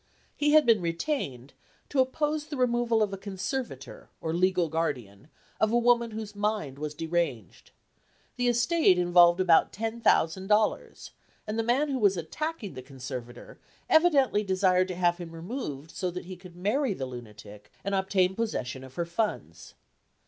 He had been retained to oppose the removal of a con servator, or legal guardian, of a woman whose mind was deranged. The estate involved about ten thousand dollars, and the man who was at tacking the conservator evidently desired to have him removed so that he could marry the lunatic and obtain possession of her funds.